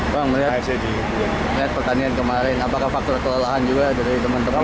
bang melihat pertandingan kemarin apakah faktor kelelahan juga dari teman teman